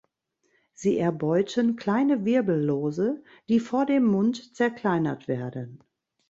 Sie erbeuten kleine Wirbellose, die vor dem Mund zerkleinert werden.